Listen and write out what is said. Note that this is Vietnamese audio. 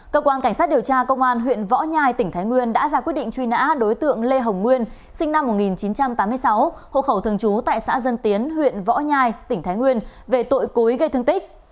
cơ quan cảnh sát điều tra công an huyện võ nhai tỉnh thái nguyên đã ra quyết định truy nã đối tượng lê hồng nguyên sinh năm một nghìn chín trăm tám mươi sáu hộ khẩu thường trú tại xã dân tiến huyện võ nhai tỉnh thái nguyên về tội cố ý gây thương tích